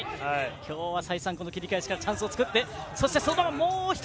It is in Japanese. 今日は再三、切り返しからチャンスを作る。